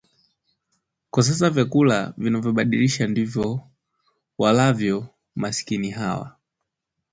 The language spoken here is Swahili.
Kwa sasa vyakula vilivyobadilishwa ndivyo walavyo masikini hawa